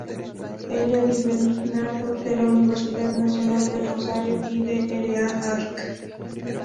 Elio di Bernardo de la Universidad Nacional de Rosario, y el Dr. Arq.